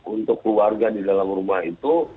untuk keluarga di dalam rumah itu